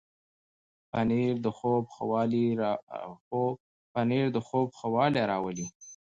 پنېر د خوب ښه والی راولي.